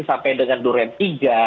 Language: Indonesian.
sampai dengan durian tiga